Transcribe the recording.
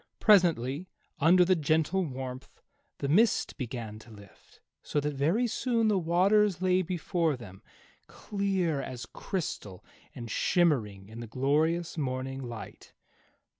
Presently, under the gentle warmth, the mist began to lift, so that very soon the waters lay before them, clear as crystal and shimmering in the glorious morning light.